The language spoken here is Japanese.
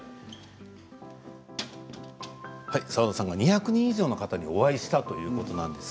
澤田さんが２００人以上の方にお会いしたということです。